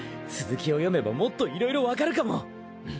続きを読めばもっといろいろわかるかも！